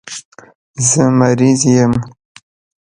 زه مریض یم